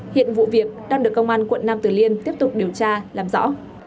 hiện vụ việc đang được công an quận năm từ liên tiếp tục điều tra làm rõ